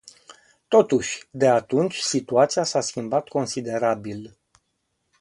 Totuși, de atunci situația s-a schimbat considerabil.